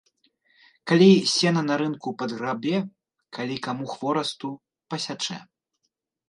Калі сена на рынку падграбе, калі каму хворасту пасячэ.